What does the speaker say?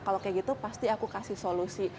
kalau kayak gitu pasti aku kasih solusi